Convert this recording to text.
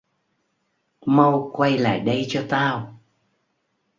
mau quay lại đây cho tao